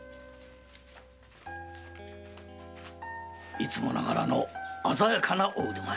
いつもながらの鮮やかなお腕前。